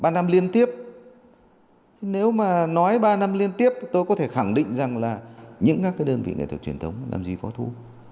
ba năm liên tiếp nếu mà nói ba năm liên tiếp tôi có thể khẳng định rằng là những các cái đơn vị nghệ thuật truyền thống làm gì có thu